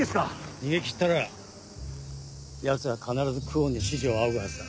逃げ切ったらヤツは必ず久遠に指示を仰ぐはずだ。